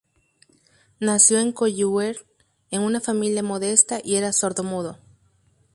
Nació en Colliure en una familia modesta y era sordomudo.